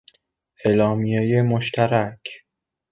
اعلامیهی مشترک